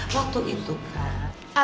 waktu itu kan